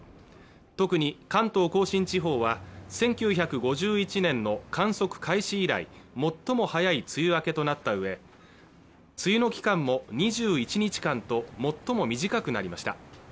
特に関東甲信地方は１９５１年の観測開始以来最も早い梅雨明けとなったうえ梅雨の期間も２１日間と最も短くなりました